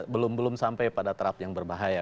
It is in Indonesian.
belum belum sampai pada terap yang berbahaya